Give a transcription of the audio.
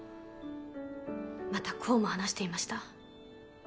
またこうも話していました。